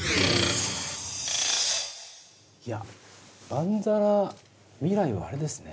いやまんざら未来はあれですね。